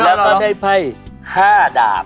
และได้ให้๕ดาบ